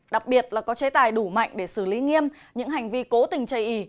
đặc biệt là có chế tài đủ mạnh để xử lý nghiêm những hành vi cố tình chây ý